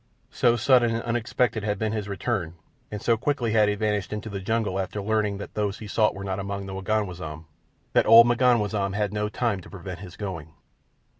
So sudden and unexpected had been his return, and so quickly had he vanished into the jungle after learning that those he sought were not among the Waganwazam, that old M'ganwazam had no time to prevent his going.